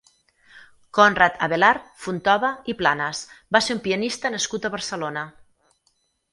Conrad Abelard Fontova i Planes va ser un pianista nascut a Barcelona.